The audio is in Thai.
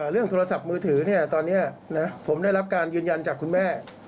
เรื่องโทรศัพท์มือถือตอนนี้ผมได้รับการยืนยันจากคุณแม่